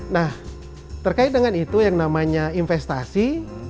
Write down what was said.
nah terkait dengan itu yang namanya investasi